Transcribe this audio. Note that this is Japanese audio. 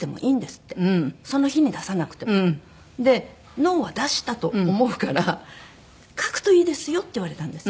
「脳は出したと思うから書くといいですよ」って言われたんです。